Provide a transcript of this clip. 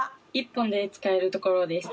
１本で使えるところです